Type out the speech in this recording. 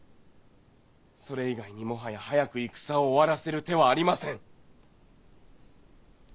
それ以外にもはや早く戦を終わらせる手はありません。